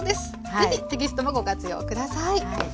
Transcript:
是非テキストもご活用下さい。